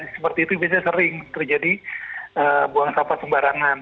seperti itu biasanya sering terjadi buang sampah sembarangan